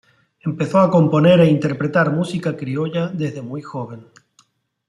Empezó a componer e interpretar música criolla desde muy joven.